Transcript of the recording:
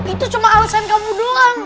itu cuma alasan kamu doang